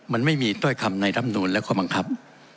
มันไม่มีถ้อยคำในรำนูนและข้อบังคับ